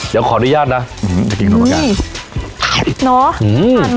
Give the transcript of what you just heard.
เดี๋ยวขออนุญาตนะอื้อนี่น้๋ออื้ออื้ออื้อ